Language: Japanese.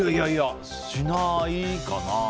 しないかな。